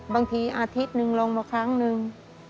บางทีอาทิตย์หนึ่งลงมาครั้งหนึ่ง